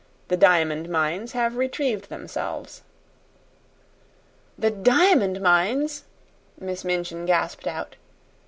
The diamond mines have retrieved themselves." "The diamond mines!" Miss Minchin gasped out.